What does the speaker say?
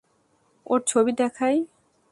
ওর ছবি দেখাই?